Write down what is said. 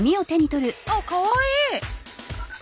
あっかわいい。